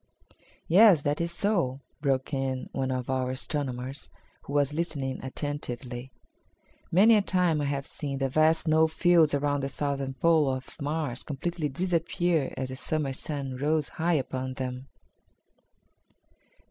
"Yes, that is so," broke in one of our astronomers, who was listening attentively. "Many a time I have seen the vast snow fields around the southern pole of Mars completely disappear as the Summer sun rose high upon them."